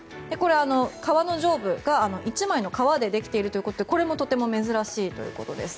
革の上部が１枚の革でできているということでこれもとても珍しいということです。